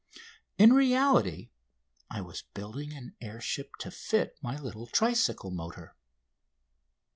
In reality I was building an air ship to fit my little tricycle motor.